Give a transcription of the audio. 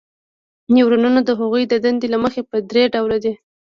نیورونونه د هغوی د دندې له مخې په درې ډوله دي.